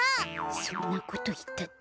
そんなこといったって。